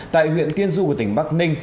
tại huyện tiên du của tỉnh bắc ninh